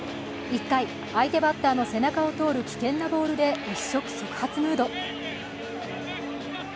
１回、相手バッターの背中を通る危険なボールで一触即発ムード。